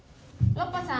・ロッパさん？